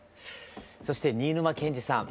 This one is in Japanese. そして新沼謙治さん